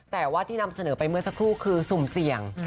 แต่ว่าที่นำเสนอไปเมื่อสักครู่คือสุ่มเสี่ยง